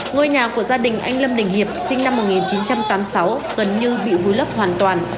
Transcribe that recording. ngôi nhà của gia đình anh lâm đình hiệp sinh năm một nghìn chín trăm tám mươi sáu gần như bị vùi lấp hoàn toàn